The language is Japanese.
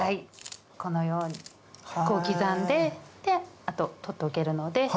このようにこう刻んであと取っておけるので。